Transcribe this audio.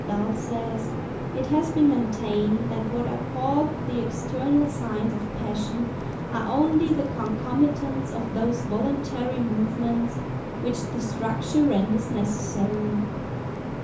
Bell says, "It has been maintained that what are called the external signs of passion, are only the concomitants of those voluntary movements which the structure renders necessary."